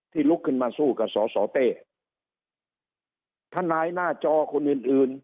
ที่ลุกขึ้นมาสู้กับสสเต้ท่านนายหน้าจอคนอื่น